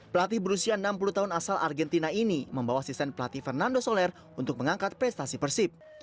pelatih berusia enam puluh tahun asal argentina ini membawa sistem pelatih fernando soler untuk mengangkat prestasi persib